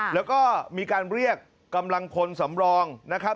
แล้วก็มีการเรียกกำลังพลสำรองนะครับ